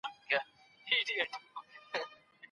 ځکه خادم د خدمت په بهير کي هر ګړی له مخدوم سره مخ کيږي.